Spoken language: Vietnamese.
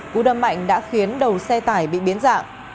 cú đâm mạnh đã khiến đầu xe tải bị biến dạng